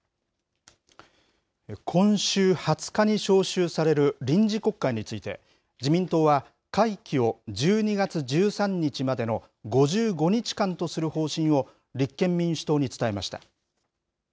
今週２０日に召集される臨時国会について、自民党は会期を１２月１３日までの５５日間とする方針を、立憲民主党に伝えました。